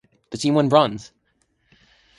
The team won bronze.